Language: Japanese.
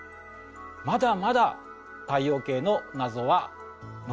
まだまだ太陽系の謎は残っています。